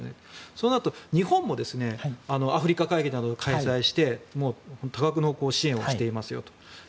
そうすると日本もアフリカ会議などを開催して多額の支援をしていますよと。